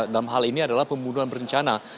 dalam hal ini adalah pembunuhan berencana